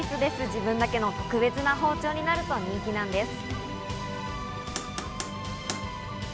自分だけの特別な包丁になると人気なんです。